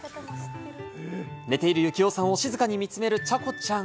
寝ている幸男さんを静かに見つめる茶子ちゃん。